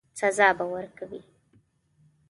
سزا به ورکوي.